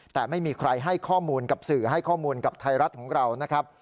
แต่ไม่มีใครให้ข้อมูลกับสื่อให้ข้อมูลกับไทยรัฐของเรานะครับ